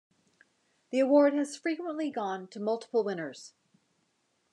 The award has frequently gone to multiple winners.